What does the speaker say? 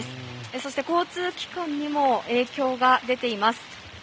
そして、交通機関にも影響が出ています。